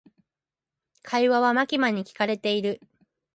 会話はマキマに聞かれている。